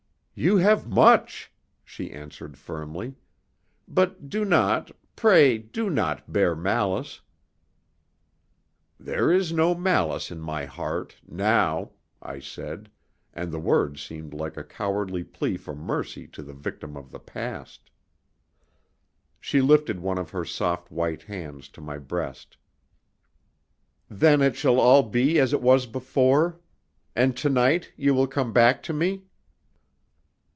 "You have much," she answered firmly. "But do not pray do not bear malice." "There is no malice in my heart now," I said; and the words seemed like a cowardly plea for mercy to the victim of the past. She lifted one of her soft white hands to my breast. "Then it shall all be as it was before? And to night you will come back to me?"